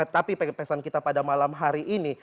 tapi pesan kita pada malam hari ini